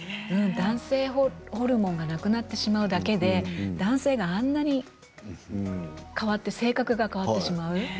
男性ホルモンがなくなってしまうだけで、男性があんなに性格が変わってしまう。